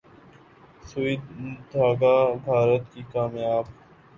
’سوئی دھاگہ‘ بھارت کی کامیاب